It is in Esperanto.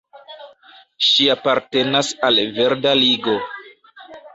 Ŝi apartenas al verda Ligo.